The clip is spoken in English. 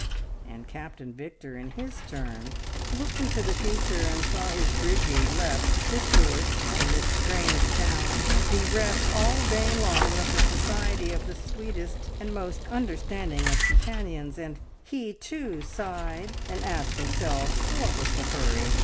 And Captain Victor, in his turn, looked into the future, and saw his Bridgie left sisterless in this strange town, bereft all day long of the society of the sweetest and most understanding of companions, and he, too, sighed, and asked himself what was the hurry.